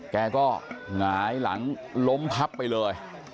แกก็หงายหลังล้มพับไปเลย